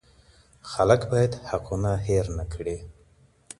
خلګ باید حقونه هېر نه کړي.